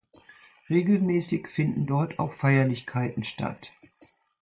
Regelmäßig finden dort auch Feierlichkeiten statt.